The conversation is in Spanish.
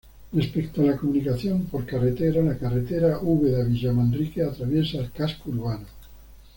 Respecto a la comunicación por carretera la carretera Ubeda-Villamanrique atraviesa el casco urbano.